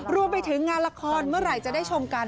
รวมไปถึงงานละครเมื่อไหร่จะได้ชมกัน